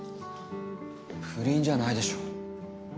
不倫じゃないでしょ。